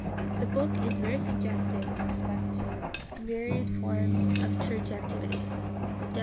The book is very suggestive in respect to varied forms of church activity.